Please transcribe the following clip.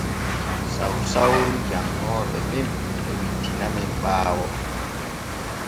Sausauru janŋooɓe men e wittinamen ɓaawo.